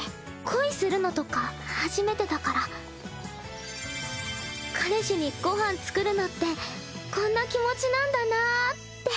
恋するのとか初めてだから彼氏にご飯作るのってこんな気持ちなんだなぁって。